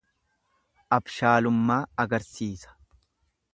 Abshaalummaa agarsiisa.